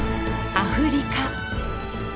アフリカ。